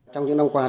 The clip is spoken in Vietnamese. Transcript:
trong những năm qua